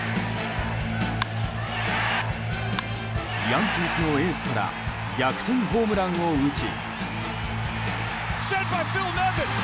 ヤンキースのエースから逆転ホームランを打ち。